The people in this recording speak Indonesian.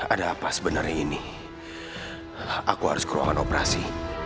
ada apa sebenarnya ini aku harus ke ruangan operasi